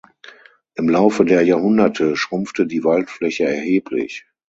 Im Laufe der Jahrhunderte schrumpfte die Waldfläche erheblich.